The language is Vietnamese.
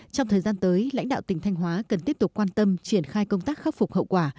trong thời gian tới lãnh đạo tỉnh thanh hóa cần tiếp tục quan tâm triển khai công tác khắc phục hậu quả